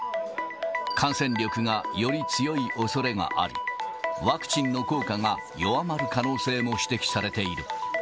感染力がより強いおそれがあり、ワクチンの効果が弱まる可能性も指摘されている。